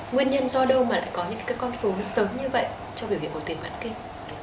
nguyên nhân do đâu mà lại có những con số sớm như vậy trong biểu hiện của tiền vạn kinh